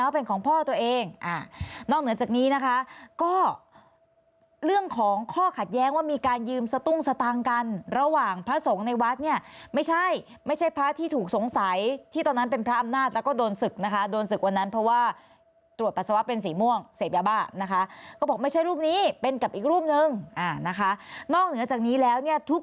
เป็นของพ่อตัวเองนอกเหนือจากนี้นะคะก็เรื่องของข้อขัดแย้งว่ามีการยืมสตุ้งสตางค์กันระหว่างพระสงฆ์ในวัดเนี่ยไม่ใช่ไม่ใช่พระที่ถูกสงสัยที่ตอนนั้นเป็นพระอำนาจแล้วก็โดนศึกนะคะโดนศึกวันนั้นเพราะว่าตรวจปัสสาวะเป็นสีม่วงเสพยาบ้านะคะก็บอกไม่ใช่รูปนี้เป็นกับอีกรูปนึงนะคะนอกเหนือจากนี้แล้วเนี่ยทุก